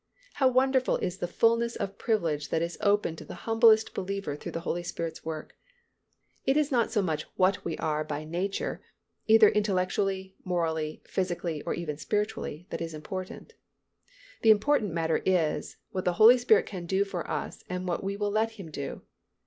How wonderful is the fullness of privilege that is open to the humblest believer through the Holy Spirit's work. It is not so much what we are by nature, either intellectually, morally, physically, or even spiritually, that is important. The important matter is, what the Holy Spirit can do for us and what we will let Him do.